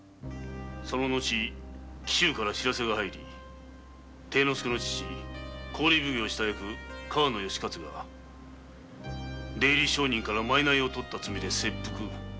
その後紀州から知らせが入り貞之介の父郡奉行下役川野義勝が出入り商人よりマイナイを取った罪で切腹。